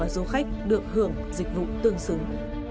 dù khách được hưởng dịch vụ tương xứng